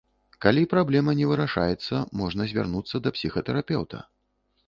Калі праблема не вырашаецца, можна звярнуцца да псіхатэрапеўта.